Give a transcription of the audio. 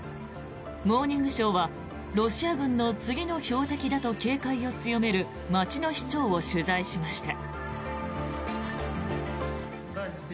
「モーニングショー」はロシア軍の次の標的だと警戒を強める街の市長を取材しました。